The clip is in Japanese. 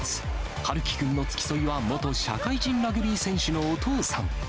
陽希君の付き添いは、元社会人ラグビー選手のお父さん。